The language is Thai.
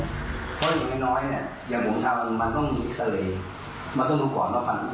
เพราะอย่างน้อยอย่างผมทำมันต้องมีอักษรรย์มันต้องรู้ก่อนว่าคุณมีคุณชิ้นคุณมีคุณปรัชโภคมันต้องรู้ว่าเป็นยังไง